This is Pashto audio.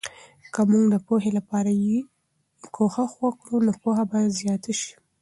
که موږ د پوهې لپاره یې کوښښ وکړو، نو پوهه به زیاته سي.